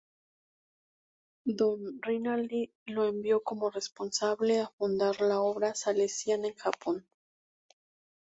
Don Rinaldi lo envió como responsable a fundar la obra salesiana en Japón.